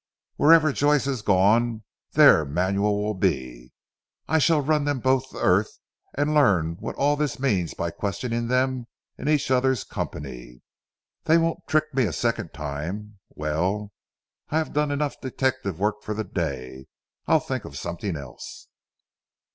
"Wherever Joyce has gone, there Manuel will be. I shall run both to earth and learn what all this means by questioning them in each other's company. They won't trick me a second time! Well, I have done enough detective work for the day. I'll think of something else."